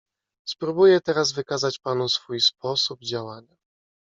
"Spróbuję teraz wykazać panu swój sposób działania."